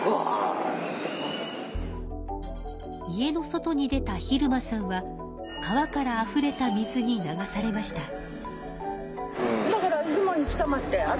家の外に出た晝間さんは川からあふれた水に流されました。